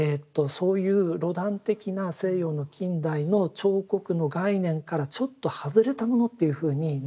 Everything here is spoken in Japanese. そういうロダン的な西洋の近代の彫刻の概念からちょっと外れたものっていうふうに見なす。